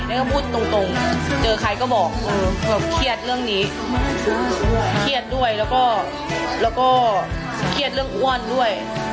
นี่ก็พูดตรงเจอใครก็บอกเออแบบเครียดเรื่องนี้เครียดด้วยแล้วก็เครียดเรื่องอ้วนด้วย